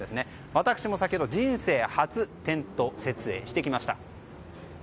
私も先ほど、人生初のテント設営をしてきました。